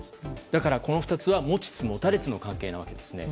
だからこの２つは持ちつ持たれつの関係なわけですね。